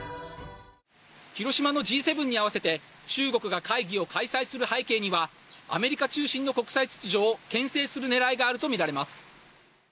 広島のＧ７に合わせて中国が会議を開催する背景にはアメリカ中心の国際秩序を牽制する狙いがあるとみられます。